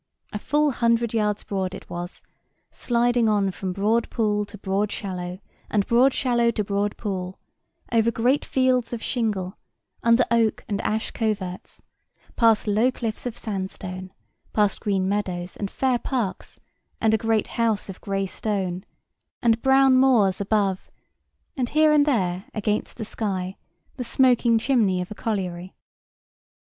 A full hundred yards broad it was, sliding on from broad pool to broad shallow, and broad shallow to broad pool, over great fields of shingle, under oak and ash coverts, past low cliffs of sandstone, past green meadows, and fair parks, and a great house of gray stone, and brown moors above, and here and there against the sky the smoking chimney of a colliery.